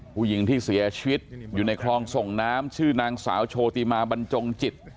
ผู้หญิงที่เสียชีวิตอยู่ในคลองส่งน้ำชื่อนางสาวโชติมาบรรจงจิต